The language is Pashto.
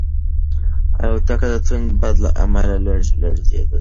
الوتکه د توند باد له امله لږه لړزېدلې وه.